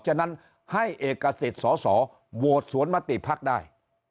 จนั้นให้เอกสิตส่อวโหวดสวนมติภักดิ์ได้